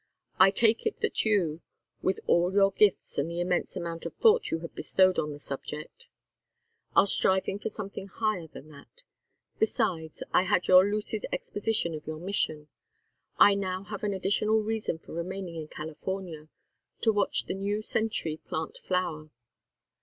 I take it that you, with all your gifts and the immense amount of thought you have bestowed on the subject, are striving for something higher than that. Besides, I had your lucid exposition of your mission. I now have an additional reason for remaining in California to watch the new century plant flower.